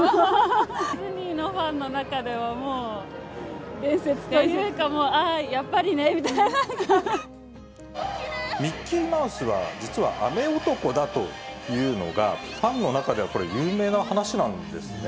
ディズニーのファンの中では、もう伝説というか、もう、ああ、ミッキーマウスは、実は雨男だというのが、ファンの中では有名な話なんですね。